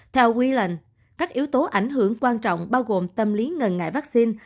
theo whalen các yếu tố ảnh hưởng quan trọng bao gồm tâm lý ngần ngại vaccine